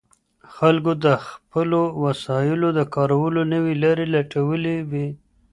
خلګو د خپلو وسایلو د کارولو نوي لاري لټولې وې.